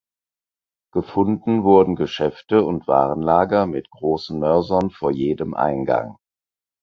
Gefunden wurden Geschäfte und Warenlager mit großen Mörsern vor jedem Eingang.